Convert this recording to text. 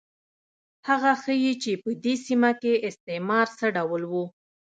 هغه ښيي چې په دې سیمه کې استعمار څه ډول و.